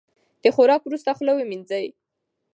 د خوراک وروسته خوله ومینځئ.